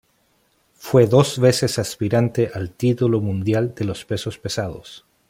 Fue dos veces aspirante al título mundial de los pesos pesados.